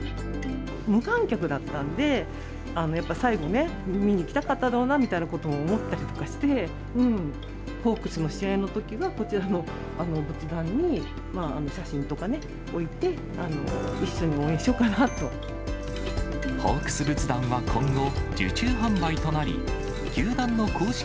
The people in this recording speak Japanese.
無観客だったんで、やっぱ最期ね、見に行きたかったろうなということも思ったりとかして、ホークスの試合のときは、こちらの仏壇に、写真とかね、置いて、一緒に応援ホークス仏壇は、今後、受注販売となり、球団の公式